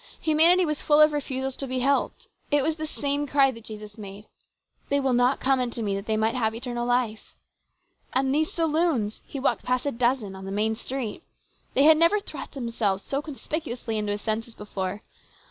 Humanity was full of refusals to be helped. It was the same cry that Jesus made, " They will not come unto Me that they might have eternal life." And these saloons ! He walked past a dozen on the main street. They never had thrust themselves so conspicuously into his senses before.